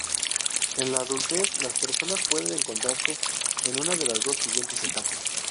En la adultez, la persona puede encontrarse en una de las dos siguientes etapas.